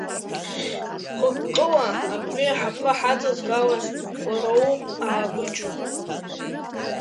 Хықәкыла абри аҳаԥы ҳаҵазгалаз уара уоуп, Аабыџь.